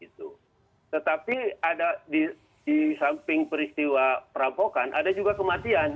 tetapi ada di samping peristiwa perampokan ada juga kematian